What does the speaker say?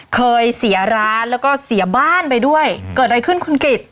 เคยเสียร้านแล้วก็เสียบ้านไปด้วยเกิดอะไรขึ้นคุณกิจ